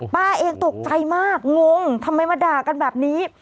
ป้าเองตกใจมากงงทำไมมาด่ากันแบบนี้